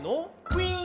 「ウィン！」